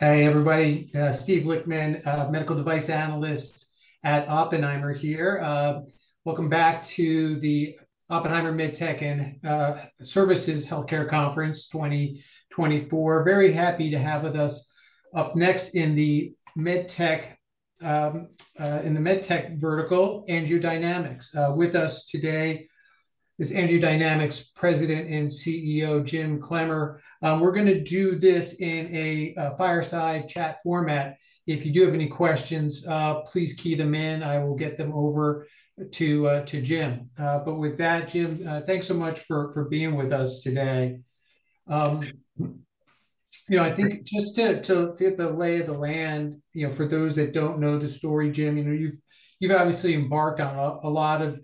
Hey, everybody. Steven Lichtman, Medical Device Analyst at Oppenheimer, here. Welcome back to the Oppenheimer MedTech and Healthcare Services conference 2024. Very happy to have with us up next in the MedTech Vertical, AngioDynamics. With us today is AngioDynamics President and CEO Jim Clemmer. We're going to do this in a fireside chat format. If you do have any questions, please key them in. I will get them over to Jim. But with that, Jim, thanks so much for being with us today. You know, I think just to the lay of the land, you know, for those that don't know the story, Jim, you know, you've obviously embarked on a lot of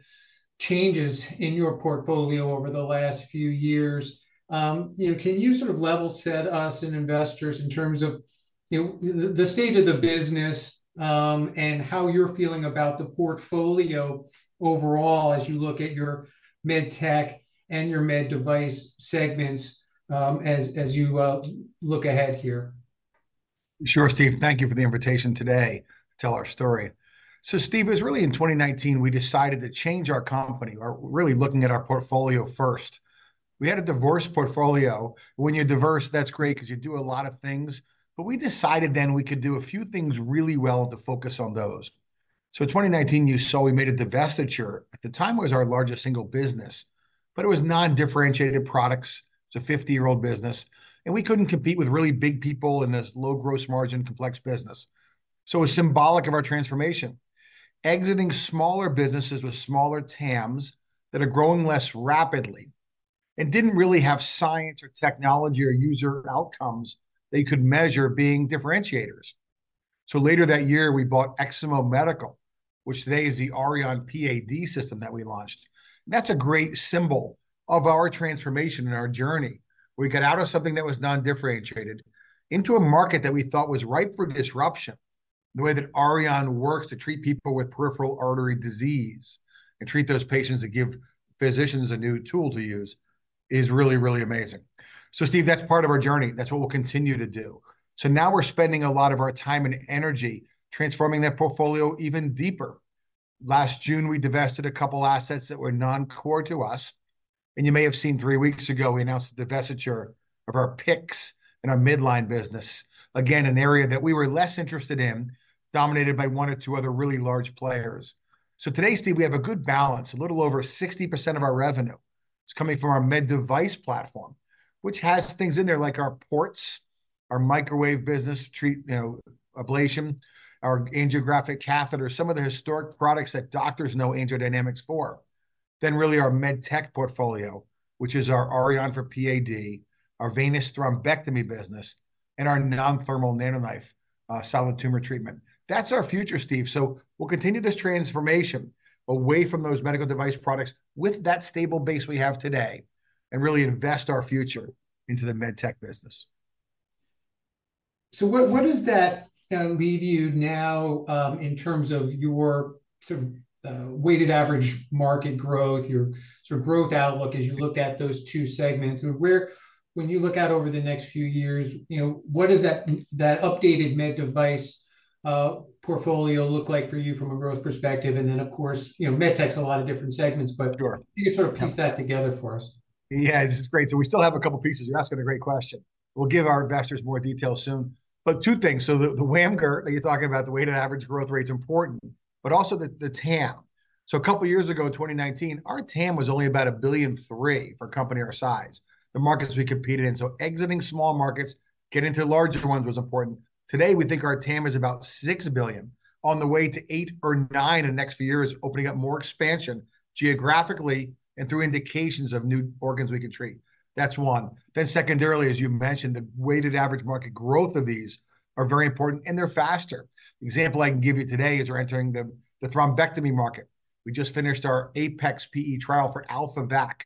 changes in your portfolio over the last few years. You know, can you sort of level set us and investors in terms of, you know, the state of the business, and how you're feeling about the portfolio overall as you look at your MedTech and your med device segments, as you look ahead here? Sure, Steven. Thank you for the invitation today to tell our story. So, Steve, it was really in 2019 we decided to change our company, or really looking at our portfolio first. We had a diverse portfolio. When you're diverse, that's great because you do a lot of things. But we decided then we could do a few things really well to focus on those. So in 2019, you saw we made a divestiture. At the time, it was our largest single business, but it was non-differentiated products. It's a 50-year-old business, and we couldn't compete with really big people in this low gross margin, complex business. So it was symbolic of our transformation: exiting smaller businesses with smaller TAMs that are growing less rapidly and didn't really have science or technology or user outcomes they could measure being differentiators. So later that year, we bought Eximo Medical, which today is the Auryon PAD system that we launched. That's a great symbol of our transformation and our journey. We got out of something that was non-differentiated into a market that we thought was ripe for disruption. The way that Auryon works to treat people with peripheral artery disease and treat those patients and give physicians a new tool to use is really, really amazing. So, Steve, that's part of our journey. That's what we'll continue to do. So now we're spending a lot of our time and energy transforming that portfolio even deeper. Last June, we divested a couple of assets that were non-core to us. You may have seen three weeks ago, we announced the divestiture of our PICCCs and our midline business, again, an area that we were less interested in, dominated by one or two other really large players. Today, Steve, we have a good balance. A little over 60% of our revenue is coming from our med device platform, which has things in there like our ports, our microwave business to treat, you know, ablation, our angiographic catheter, some of the historic products that doctors know AngioDynamics for. Then really our MedTech portfolio, which is our Auryon for PAD, our venous thrombectomy business, and our non-thermal NanoKnife, solid tumor treatment. That's our future, Steve. We'll continue this transformation away from those medical device products with that stable base we have today and really invest our future into the MedTech business. So what, what does that leave you now in terms of your sort of weighted average market growth, your sort of growth outlook as you look at those two segments? And where, when you look out over the next few years, you know, what does that, that updated med device portfolio look like for you from a growth perspective? And then, of course, you know, MedTech's a lot of different segments, but if you could sort of piece that together for us. Sure. Yeah, this is great. So we still have a couple of pieces. You're asking a great question. We'll give our investors more detail soon. But two things. So the WAMGR that you're talking about, the weighted average growth rate, is important, but also the TAM. So a couple of years ago, 2019, our TAM was only about $1.3 billion for a company our size, the markets we competed in. So exiting small markets, getting into larger ones was important. Today, we think our TAM is about $6 billion. On the way to $8 or $9 in the next few years, opening up more expansion geographically and through indications of new organs we can treat. That's one. Then secondarily, as you mentioned, the weighted average market growth of these are very important, and they're faster. The example I can give you today is we're entering the thrombectomy market. We just finished our APEX PE trial for AlphaVac.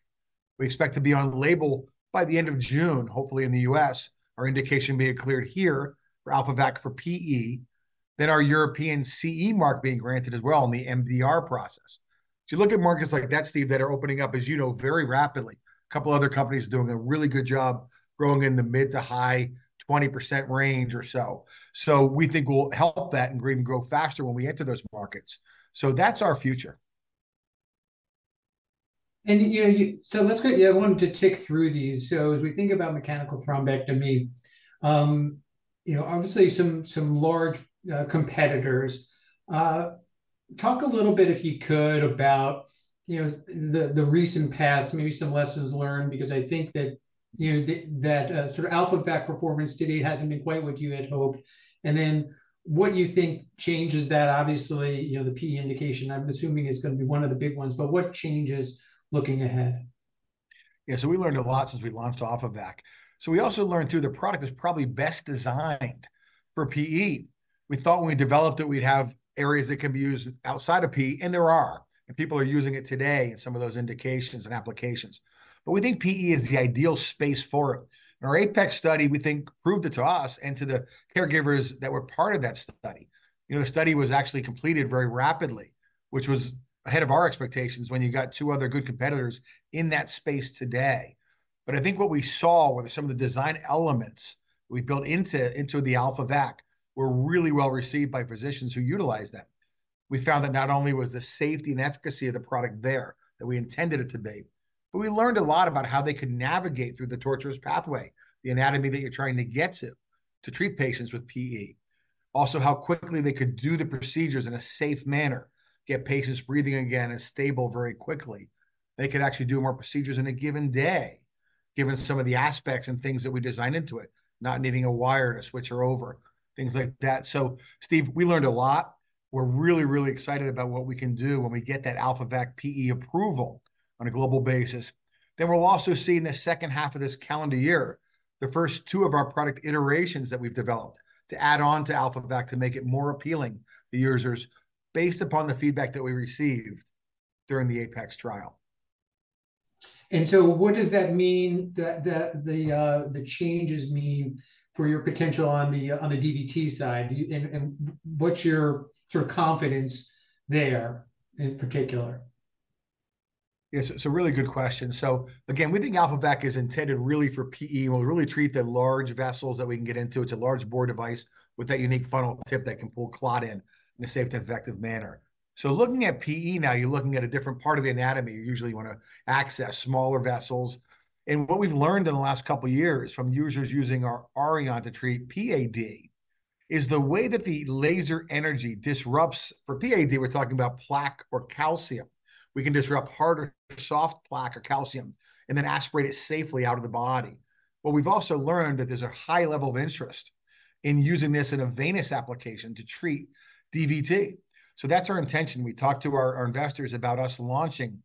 We expect to be on label by the end of June, hopefully in the U.S., our indication being cleared here for AlphaVac for PE. Then our European CE mark being granted as well in the MDR process. So you look at markets like that, Steve, that are opening up, as you know, very rapidly. A couple of other companies are doing a really good job growing in the mid- to high-20% range or so. So we think we'll help that and we grow faster when we enter those markets. So that's our future. And, you know, so let's go. Yeah, I wanted to tick through these. So as we think about mechanical thrombectomy, you know, obviously some large competitors. Talk a little bit, if you could, about the recent past, maybe some lessons learned, because I think that, you know, that sort of AlphaVac performance to date hasn't been quite what you had hoped. And then what do you think changes that? Obviously, you know, the PE indication, I'm assuming, is going to be one of the big ones. But what changes looking ahead? Yeah, so we learned a lot since we launched AlphaVac. So we also learned too, the product is probably best designed for PE. We thought when we developed it, we'd have areas that can be used outside of PE, and there are. And people are using it today in some of those indications and applications. But we think PE is the ideal space for it. And our APEX study, we think, proved it to us and to the caregivers that were part of that study. You know, the study was actually completed very rapidly, which was ahead of our expectations when you got two other good competitors in that space today. But I think what we saw, whether some of the design elements we built into the AlphaVac, were really well received by physicians who utilized them. We found that not only was the safety and efficacy of the product there that we intended it to be, but we learned a lot about how they could navigate through the tortuous pathway, the anatomy that you're trying to get to, to treat patients with PE. Also, how quickly they could do the procedures in a safe manner, get patients breathing again and stable very quickly. They could actually do more procedures in a given day, given some of the aspects and things that we designed into it, not needing a wire to switch her over, things like that. So, Steve, we learned a lot. We're really, really excited about what we can do when we get that AlphaVac PE approval on a global basis. Then we'll also see in the second half of this calendar year, the first two of our product iterations that we've developed to add on to AlphaVac to make it more appealing to users, based upon the feedback that we received during the APEX trial. So what does that mean? The changes mean for your potential on the DVT side? What's your sort of confidence there in particular? Yeah, so, so really good question. So again, we think AlphaVac is intended really for PE. We'll really treat the large vessels that we can get into. It's a large bore device with that unique funnel tip that can pull clot in in a safe and effective manner. So looking at PE now, you're looking at a different part of the anatomy. You usually want to access smaller vessels. And what we've learned in the last couple of years from users using our Auryon to treat PAD is the way that the laser energy disrupts for PAD, we're talking about plaque or calcium, we can disrupt hard or soft plaque or calcium and then aspirate it safely out of the body. Well, we've also learned that there's a high level of interest in using this in a venous application to treat DVT. So that's our intention. We talked to our investors about us launching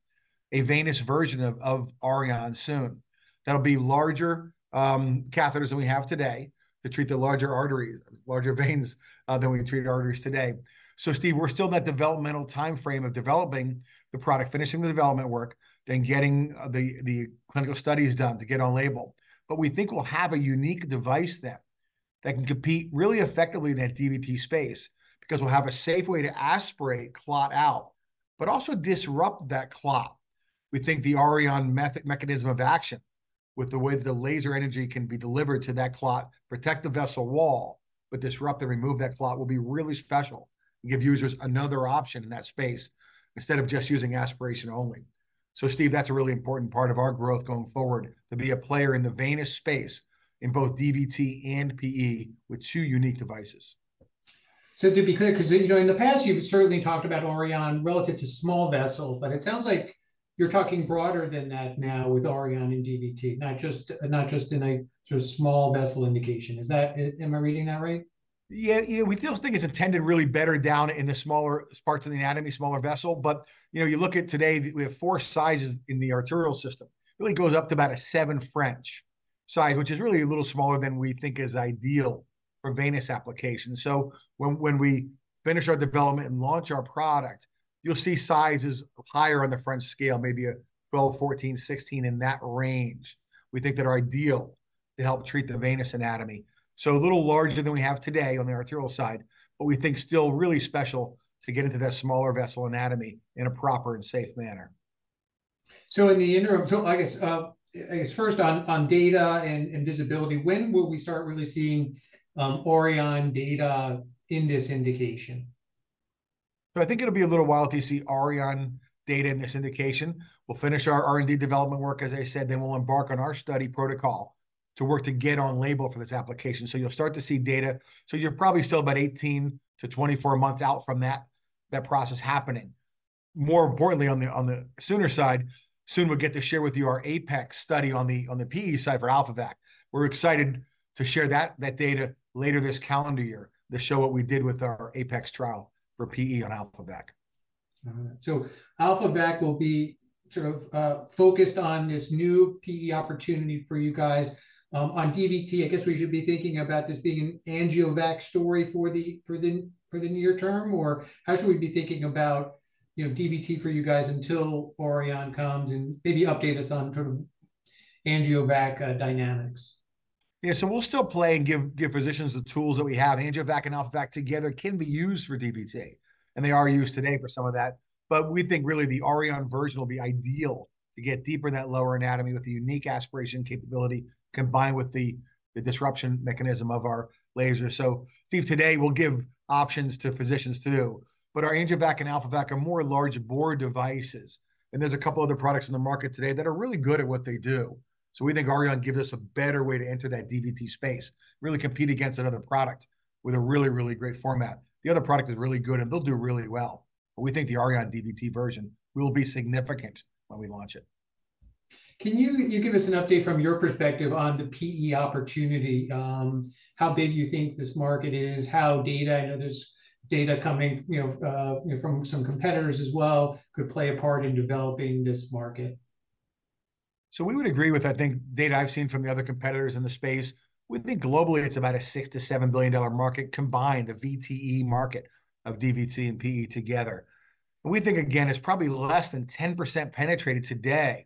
a venous version of Auryon soon. That'll be larger catheters than we have today to treat the larger arteries, larger veins, than we treat arteries today. So, Steve, we're still in that developmental time frame of developing the product, finishing the development work, then getting the clinical studies done to get on label. But we think we'll have a unique device then that can compete really effectively in that DVT space because we'll have a safe way to aspirate clot out, but also disrupt that clot. We think the Auryon method, mechanism of action, with the way that the laser energy can be delivered to that clot, protect the vessel wall, but disrupt and remove that clot will be really special and give users another option in that space instead of just using aspiration only. So, Steve, that's a really important part of our growth going forward to be a player in the venous space in both DVT and PE with two unique devices. To be clear, because, you know, in the past, you've certainly talked about Auryon relative to small vessels, but it sounds like you're talking broader than that now with Auryon and DVT, not just in a sort of small vessel indication. Is that, am I reading that right? Yeah, you know, we still think it's intended really better down in the smaller parts of the anatomy, smaller vessel. But, you know, you look at today, we have four sizes in the Arterial System. It really goes up to about a seven French size, which is really a little smaller than we think is ideal for venous applications. So when we finish our development and launch our product, you'll see sizes higher on the French scale, maybe a 12, 14, 16 in that range. We think that are ideal to help treat the venous anatomy. So a little larger than we have today on the arterial side, but we think still really special to get into that smaller vessel anatomy in a proper and safe manner. In the interim, I guess first on data and visibility, when will we start really seeing Auryon data in this indication? So I think it'll be a little while until you see Auryon data in this indication. We'll finish our R&D development work, as I said, then we'll embark on our study protocol to work to get on label for this application. So you'll start to see data. So you're probably still about 18 months-24 months out from that process happening. More importantly, on the sooner side, soon we'll get to share with you our APEX-AV study on the PE side for AlphaVac. We're excited to share that data later this calendar year to show what we did with our APEX-AV trial for PE on AlphaVac. So AlphaVac will be sort of focused on this new PE opportunity for you guys. On DVT, I guess we should be thinking about this being an AngioVac story for the near term, or how should we be thinking about, you know, DVT for you guys until Auryon comes and maybe update us on sort of AngioVac dynamics? Yeah, so we'll still play and give, give physicians the tools that we have. AngioVac and AlphaVac together can be used for DVT, and they are used today for some of that. But we think really the Auryon version will be ideal to get deeper in that lower anatomy with the unique aspiration capability combined with the, the disruption mechanism of our laser. So, Steve, today we'll give options to physicians to do. But our AngioVac and AlphaVac are more large bore devices. And there's a couple of other products on the market today that are really good at what they do. So we think Auryon gives us a better way to enter that DVT space, really compete against another product with a really, really great format. The other product is really good, and they'll do really well. We think the Auryon DVT version will be significant when we launch it. Can you give us an update from your perspective on the PE opportunity, how big you think this market is, how data I know there's data coming, you know, you know, from some competitors as well could play a part in developing this market? So we would agree with, I think, data I've seen from the other competitors in the space. We think globally it's about a $6 billion-$7 billion market combined, the VTE market of DVT and PE together. And we think, again, it's probably less than 10% penetrated today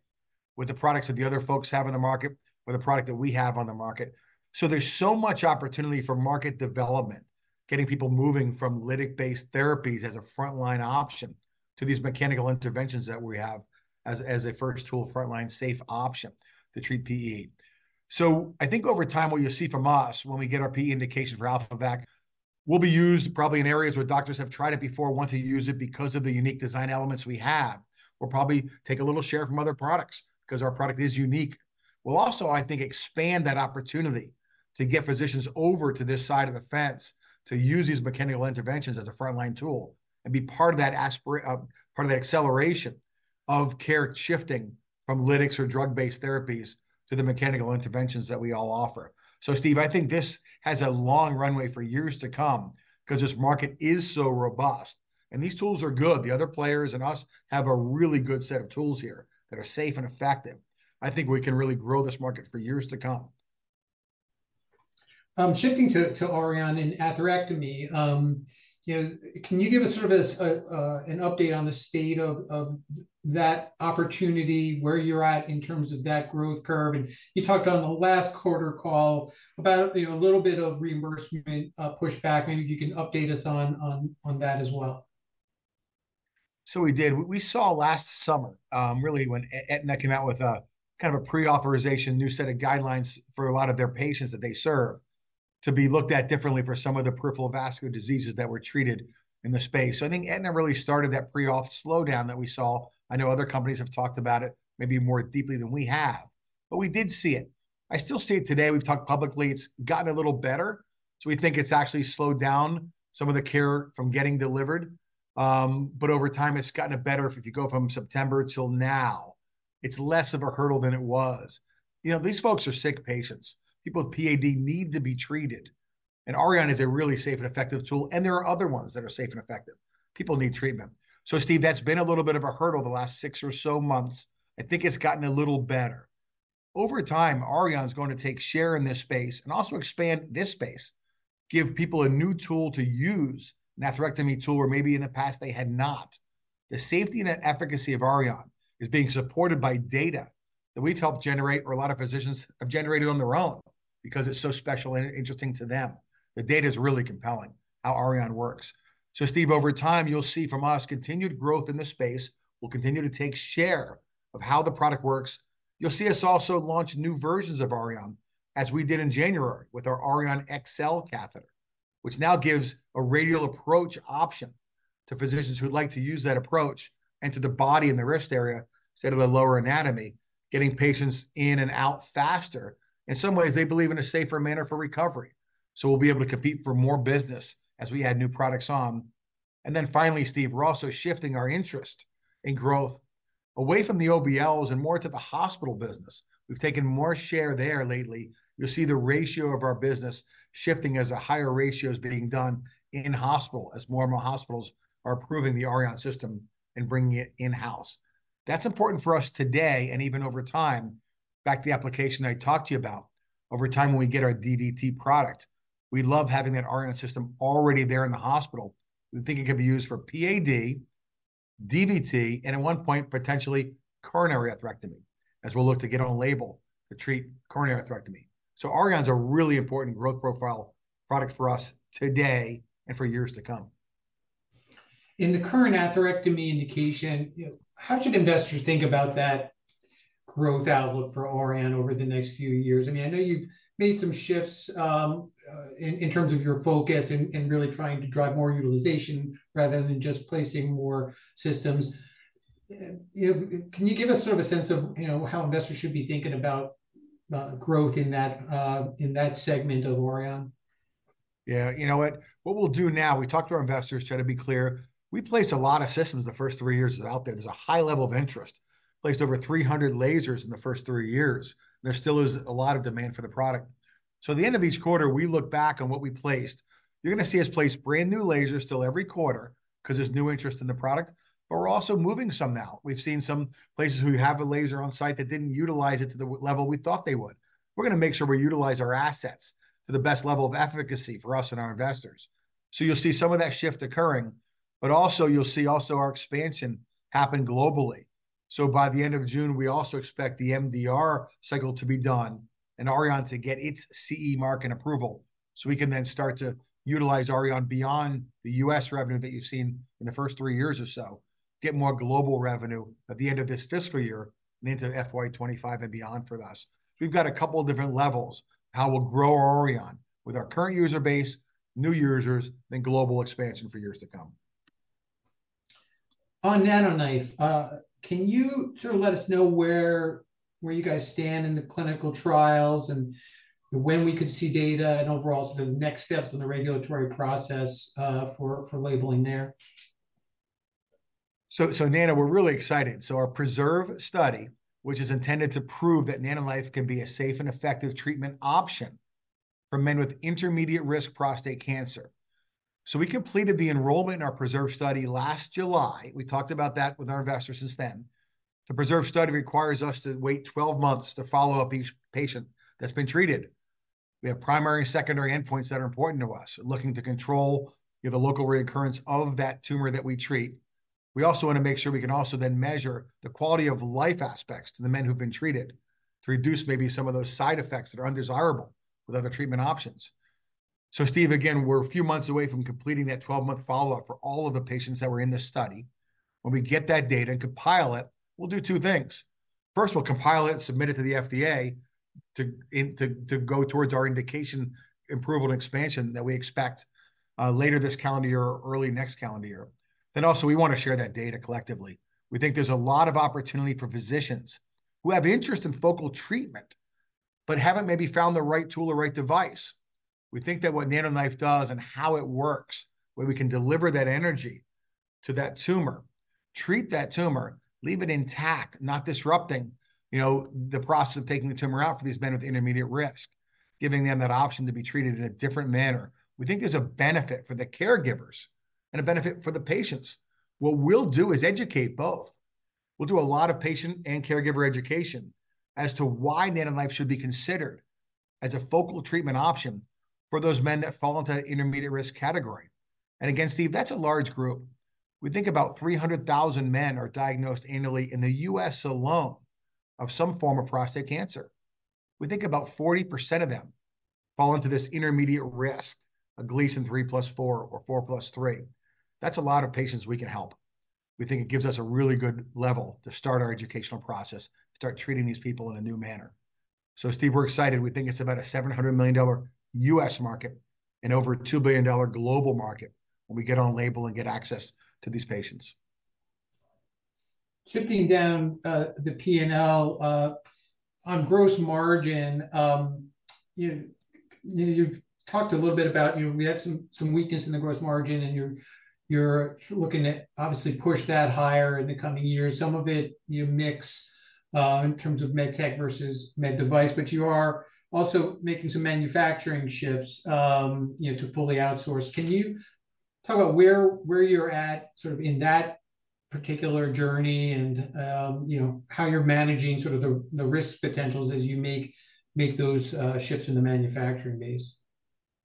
with the products that the other folks have in the market or the product that we have on the market. So there's so much opportunity for market development, getting people moving from lytic-based therapies as a frontline option to these mechanical interventions that we have as, as a first tool, frontline safe option to treat PE. So I think over time what you'll see from us when we get our PE indication for AlphaVac will be used probably in areas where doctors have tried it before, want to use it because of the unique design elements we have. We'll probably take a little share from other products because our product is unique. We'll also, I think, expand that opportunity to get physicians over to this side of the fence to use these mechanical interventions as a frontline tool and be part of that aspirate, part of that acceleration of care shifting from lytics or drug-based therapies to the mechanical interventions that we all offer. So, Steve, I think this has a long runway for years to come because this market is so robust. And these tools are good. The other players and us have a really good set of tools here that are safe and effective. I think we can really grow this market for years to come. Shifting to Auryon and atherectomy, you know, can you give us sort of an update on the state of that opportunity, where you're at in terms of that growth curve? And you talked on the last quarter call about, you know, a little bit of reimbursement pushback. Maybe if you can update us on that as well. So we did. We saw last summer, really when Aetna came out with a kind of a pre-authorization, new set of guidelines for a lot of their patients that they serve to be looked at differently for some of the peripheral vascular diseases that were treated in the space. So I think Aetna really started that pre-auth slowdown that we saw. I know other companies have talked about it maybe more deeply than we have, but we did see it. I still see it today. We've talked publicly. It's gotten a little better. So we think it's actually slowed down some of the care from getting delivered. But over time, it's gotten better. If you go from September till now, it's less of a hurdle than it was. You know, these folks are sick patients. People with PAD need to be treated. Auryon is a really safe and effective tool. There are other ones that are safe and effective. People need treatment. Steve, that's been a little bit of a hurdle the last six or so months. I think it's gotten a little better. Over time, Auryon's going to take share in this space and also expand this space, give people a new tool to use, an atherectomy tool where maybe in the past they had not. The safety and efficacy of Auryon is being supported by data that we've helped generate or a lot of physicians have generated on their own because it's so special and interesting to them. The data is really compelling how Auryon works. Steve, over time, you'll see from us continued growth in the space. We'll continue to take share of how the product works. You'll see us also launch new versions of Auryon as we did in January with our Auryon XL catheter, which now gives a radial approach option to physicians who'd like to use that approach and to the body and the wrist area instead of the lower anatomy, getting patients in and out faster. In some ways, they believe in a safer manner for recovery. So we'll be able to compete for more business as we add new products on. And then finally, Steve, we're also shifting our interest in growth away from the OBLs and more to the hospital business. We've taken more share there lately. You'll see the ratio of our business shifting as higher ratios being done in hospital, as more and more hospitals are approving the Auryon system and bringing it in-house. That's important for us today and even over time. Back to the application I talked to you about, over time when we get our DVT product, we love having that Auryon system already there in the hospital. We think it could be used for PAD, DVT, and at one point, potentially coronary atherectomy as we'll look to get on label to treat coronary atherectomy. So Auryon's a really important growth profile product for us today and for years to come. In the current atherectomy indication, you know, how should investors think about that growth outlook for Auryon over the next few years? I mean, I know you've made some shifts in terms of your focus and really trying to drive more utilization rather than just placing more systems. You know, can you give us sort of a sense of, you know, how investors should be thinking about growth in that segment of Auryon? Yeah, you know what? What we'll do now, we talked to our investors, try to be clear, we placed a lot of systems the first three years it was out there. There's a high level of interest. Placed over 300 lasers in the first three years. There still is a lot of demand for the product. At the end of each quarter, we look back on what we placed. You're going to see us place brand new lasers still every quarter because there's new interest in the product. But we're also moving some now. We've seen some places who have a laser on site that didn't utilize it to the level we thought they would. We're going to make sure we utilize our assets to the best level of efficacy for us and our investors. So you'll see some of that shift occurring, but also you'll see also our expansion happen globally. So by the end of June, we also expect the MDR cycle to be done and Auryon to get its CE mark and approval so we can then start to utilize Auryon beyond the U.S. revenue that you've seen in the first 3 years or so, get more global revenue at the end of this fiscal year and into FY25 and beyond for us. So we've got a couple of different levels, how we'll grow Auryon with our current user base, new users, then global expansion for years to come. On NanoKnife, can you sort of let us know where, where you guys stand in the clinical trials and when we could see data and overall sort of the next steps in the regulatory process, for, for labeling there? So, Nano, we're really excited. Our PRESERVE study, which is intended to prove that NanoKnife can be a safe and effective treatment option for men with intermediate risk prostate cancer. We completed the enrollment in our PRESERVE study last July. We talked about that with our investors since then. The PRESERVE study requires us to wait 12 months to follow up each patient that's been treated. We have primary and secondary endpoints that are important to us, looking to control, you know, the local reoccurrence of that tumor that we treat. We also want to make sure we can also then measure the quality of life aspects to the men who've been treated to reduce maybe some of those side effects that are undesirable with other treatment options. So, Steve, again, we're a few months away from completing that 12-month follow-up for all of the patients that were in this study. When we get that data and compile it, we'll do two things. First, we'll compile it and submit it to the FDA to go towards our indication, approval, and expansion that we expect later this calendar year or early next calendar year. Then also, we want to share that data collectively. We think there's a lot of opportunity for physicians who have interest in focal treatment but haven't maybe found the right tool or right device. We think that what NanoKnife does and how it works, where we can deliver that energy to that tumor, treat that tumor, leave it intact, not disrupting, you know, the process of taking the tumor out for these men with intermediate risk, giving them that option to be treated in a different manner. We think there's a benefit for the caregivers and a benefit for the patients. What we'll do is educate both. We'll do a lot of patient and caregiver education as to why NanoKnife should be considered as a focal treatment option for those men that fall into the intermediate risk category. And again, Steve, that's a large group. We think about 300,000 men are diagnosed annually in the U.S. alone of some form of prostate cancer. We think about 40% of them fall into this intermediate risk, a Gleason 3+4 or 4+3. That's a lot of patients we can help. We think it gives us a really good level to start our educational process, start treating these people in a new manner. So, Steve, we're excited. We think it's about a $700 million U.S. market and over a $2 billion global market when we get on label and get access to these patients. Shifting down the P&L on gross margin, you know, you've talked a little bit about, you know, we had some weakness in the gross margin and you're looking at obviously push that higher in the coming years. Some of it, you know, mix in terms of MedTech vs. Ded device, but you are also making some manufacturing shifts, you know, to fully outsource. Can you talk about where you're at sort of in that particular journey and, you know, how you're managing sort of the risk potentials as you make those shifts in the manufacturing base?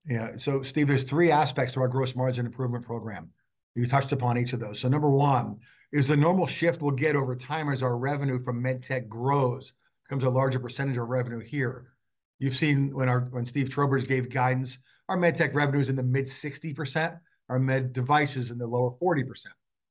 Yeah. So, Steve, there are three aspects to our gross margin improvement program. You touched upon each of those. So number one is the normal shift we'll get over time as our revenue from MedTech grows, becomes a larger percentage of revenue here. You've seen when our, when Steve Trowbridge gave guidance, our MedTech revenue is in the mid-60%, our med devices in the lower 40%.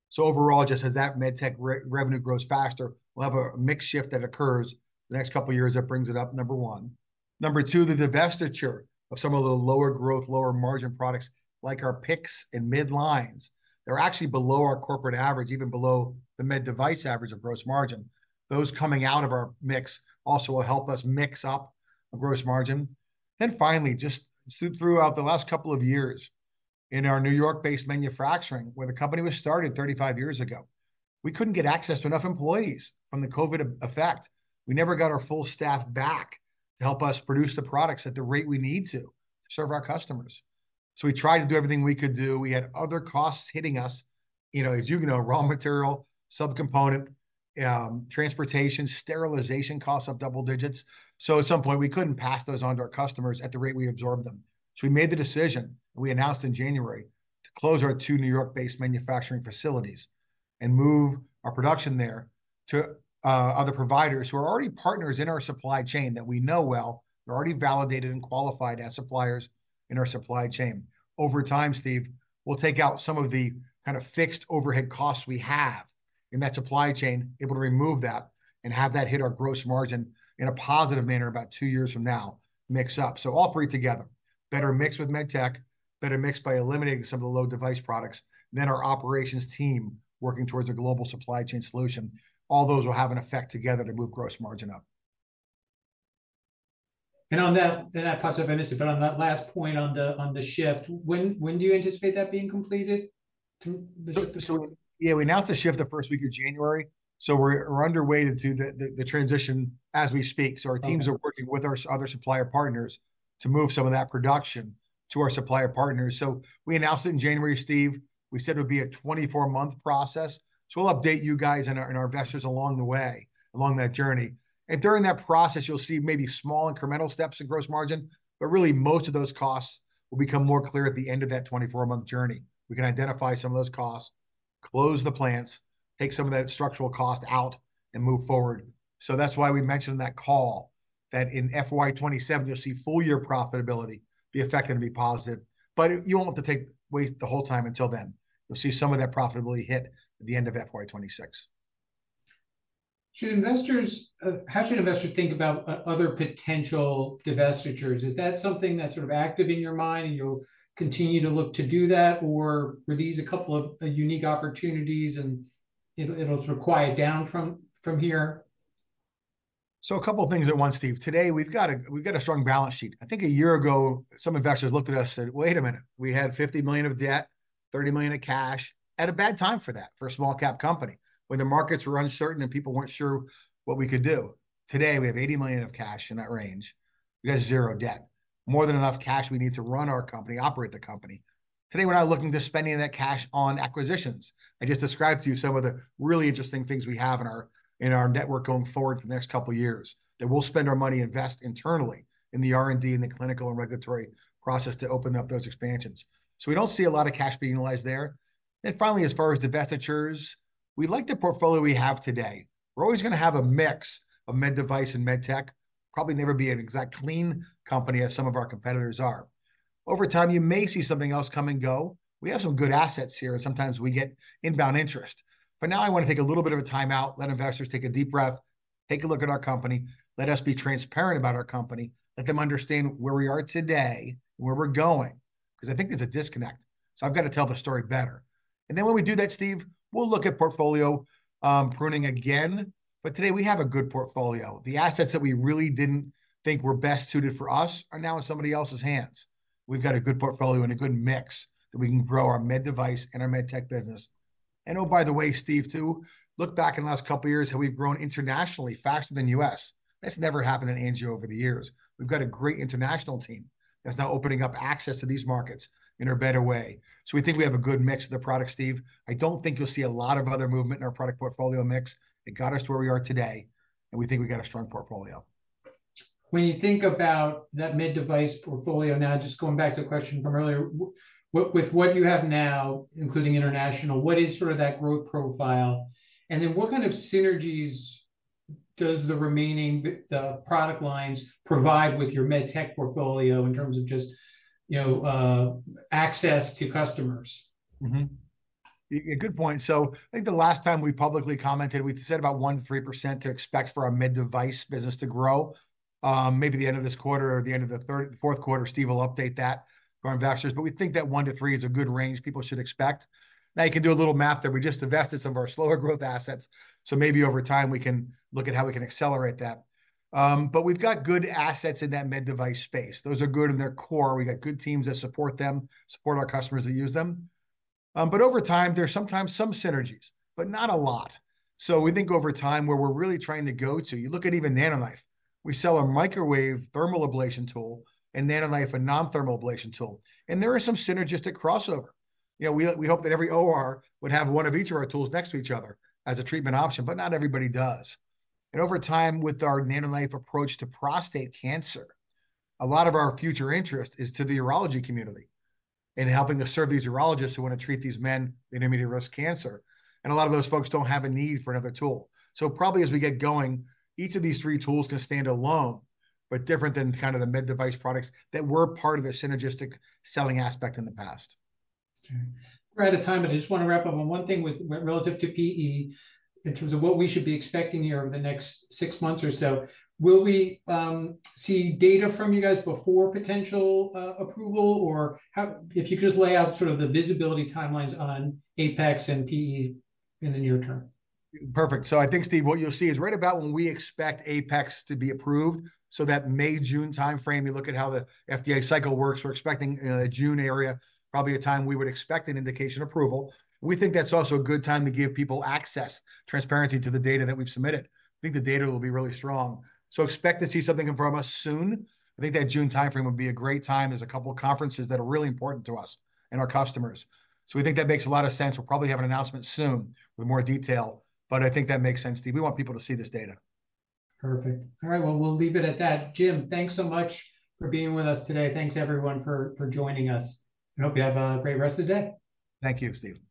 So overall, just as that MedTech revenue grows faster, we'll have a mix shift that occurs the next couple of years that brings it up, number one. Number two, the divestiture of some of the lower growth, lower margin products like our PICCs and midlines, they're actually below our corporate average, even below the med device average of gross margin. Those coming out of our mix also will help us mix up a gross margin. Finally, just throughout the last couple of years in our New York-based manufacturing where the company was started 35 years ago, we couldn't get access to enough employees from the COVID effect. We never got our full staff back to help us produce the products at the rate we need to, to serve our customers. So we tried to do everything we could do. We had other costs hitting us. You know, as you know, raw material, subcomponent, transportation, sterilization costs up double digits. So at some point, we couldn't pass those on to our customers at the rate we absorbed them. So we made the decision and we announced in January to close our two New York-based manufacturing facilities and move our production there to other providers who are already partners in our supply chain that we know well. They're already validated and qualified as suppliers in our supply chain. Over time, Steve, we'll take out some of the kind of fixed overhead costs we have in that supply chain, able to remove that and have that hit our gross margin in a positive manner about two years from now, mix up. So all three together, better mixed with MedTech, better mixed by eliminating some of the low device products, then our operations team working towards a global supply chain solution. All those will have an effect together to move gross margin up. And on that, I apologize if I missed it, but on that last point on the shift, when do you anticipate that being completed? Yeah, we announced the shift the first week of January. So we're underway to the transition as we speak. So our teams are working with our other supplier partners to move some of that production to our supplier partners. So we announced it in January, Steve. We said it would be a 24-month process. So we'll update you guys and our investors along the way, along that journey. And during that process, you'll see maybe small incremental steps in gross margin, but really most of those costs will become more clear at the end of that 24-month journey. We can identify some of those costs, close the plants, take some of that structural cost out, and move forward. So that's why we mentioned in that call that in FY 2027, you'll see full year profitability be affected and be positive. But you won't have to take the hit the whole time until then. You'll see some of that profitability hit at the end of FY 2026. Should investors, how should investors think about other potential divestitures? Is that something that's sort of active in your mind and you'll continue to look to do that, or were these a couple of unique opportunities and it'll sort of quiet down from, from here? So a couple of things at once, Steven. Today, we've got a strong balance sheet. I think a year ago, some investors looked at us and said, Wait a minute. We had $50 million of debt, $30 million of cash. At a bad time for that, for a small cap company when the markets were uncertain and people weren't sure what we could do. Today, we have $80 million of cash in that range. We got zero debt, more than enough cash we need to run our company, operate the company. Today, we're not looking to spend any of that cash on acquisitions. I just described to you some of the really interesting things we have in our, in our network going forward for the next couple of years that we'll spend our money, invest internally in the R&D and the clinical and regulatory process to open up those expansions. So we don't see a lot of cash being utilized there. And finally, as far as divestitures, we like the portfolio we have today. We're always going to have a mix of med device and MedTech, probably never be an exact clean company as some of our competitors are. Over time, you may see something else come and go. We have some good assets here and sometimes we get inbound interest. For now, I want to take a little bit of a timeout, let investors take a deep breath, take a look at our company, let us be transparent about our company, let them understand where we are today and where we're going because I think there's a disconnect. So I've got to tell the story better. And then when we do that, Steve, we'll look at portfolio pruning again. But today we have a good portfolio. The assets that we really didn't think were best suited for us are now in somebody else's hands. We've got a good portfolio and a good mix that we can grow our med device and our MedTech business. And oh, by the way, Steve, too, look back in the last couple of years how we've grown internationally faster than the U.S. That's never happened in Angio over the years. We've got a great international team that's now opening up access to these markets in a better way. So we think we have a good mix of the product, Steve. I don't think you'll see a lot of other movement in our product portfolio mix. It got us to where we are today and we think we got a strong portfolio. When you think about that med device portfolio now, just going back to the question from earlier, with what you have now, including international, what is sort of that growth profile? And then what kind of synergies does the remaining product lines provide with your MedTech portfolio in terms of just, you know, access to customers? Mm-hmm. A good point. So I think the last time we publicly commented, we said about 1%-3% to expect for our med device business to grow. Maybe the end of this quarter or the end of the third, the fourth quarter, Steven will update that for our investors. But we think that one to three is a good range people should expect. Now you can do a little math there. We just divested some of our slower growth assets. So maybe over time we can look at how we can accelerate that. But we've got good assets in that med device space. Those are good in their core. We got good teams that support them, support our customers that use them. But over time, there's sometimes some synergies, but not a lot. So we think over time where we're really trying to go to, you look at even NanoKnife, we sell a microwave thermal ablation tool and NanoKnife a non-thermal ablation tool. And there is some synergistic crossover. You know, we, we hope that every OR would have one of each of our tools next to each other as a treatment option, but not everybody does. And over time with our NanoKnife approach to prostate cancer, a lot of our future interest is to the urology community and helping to serve these urologists who want to treat these men with intermediate risk cancer. And a lot of those folks don't have a need for another tool. So probably as we get going, each of these three tools can stand alone, but different than kind of the med device products that were part of the synergistic selling aspect in the past. Okay. We're out of time, but I just want to wrap up on one thing relative to PE, in terms of what we should be expecting here over the next six months or so. Will we see data from you guys before potential approval or how, if you could just lay out sort of the visibility timelines on APEX and PE in the near term? Perfect. So I think, Steven, what you'll see is right about when we expect APEX to be approved, so that May, June timeframe. You look at how the FDA cycle works, we're expecting, you know, a June area, probably a time we would expect an indication approval. We think that's also a good time to give people access, transparency to the data that we've submitted. I think the data will be really strong. So expect to see something from us soon. I think that June timeframe would be a great time. There's a couple of conferences that are really important to us and our customers. So we think that makes a lot of sense. We'll probably have an announcement soon with more detail, but I think that makes sense, Steve. We want people to see this data. Perfect. All right. Well, we'll leave it at that. Jim, thanks so much for being with us today. Thanks everyone for joining us. Hope you have a great rest of the day. Thank you, Steven.